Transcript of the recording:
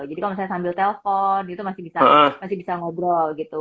jadi kalau misalnya sambil telpon gitu masih bisa ngobrol gitu